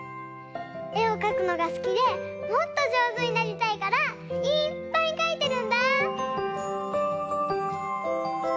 えをかくのが好きでもっと上手になりたいからいっぱいかいてるんだぁ！